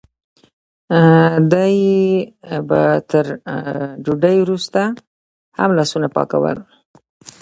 دوی به تر ډوډۍ وروسته هم لاسونه پاکول.